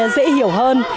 dễ hiểu hơn